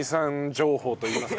情報といいますかね。